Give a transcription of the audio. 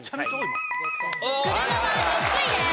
車は６位です。